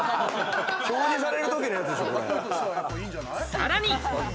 さらに！